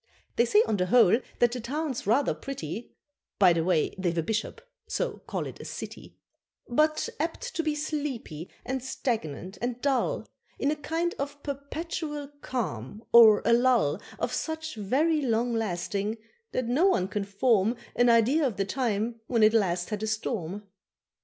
They say on the whole that the town's rather pretty (By the way they've a bishop, so call it a city); But apt to be sleepy, and stagnant and dull, In a kind of perpetual calm, or a lull Of such very long lasting, that no one can form An idea of the time when it last had a storm.